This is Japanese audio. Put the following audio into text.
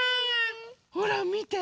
ほらみて。